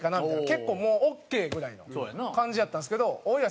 結構もうオーケーぐらいの感じやったんですけど大東